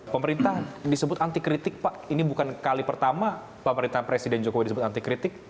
pemerintah disebut anti kritik pak ini bukan kali pertama pemerintahan presiden jokowi disebut anti kritik